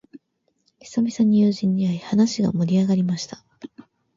久々に友人に会い、話が盛り上がりました。